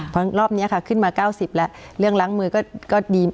เพราะรอบนี้ค่ะขึ้นมา๙๐แล้วเรื่องล้างมือก็ดี